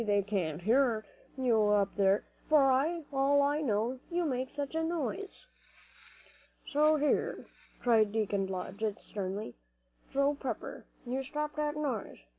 They can hear you up there, for all I know, you make such a noise." "See here," cried Deacon Blodgett, sternly, "Joe Pepper, you stop that noise!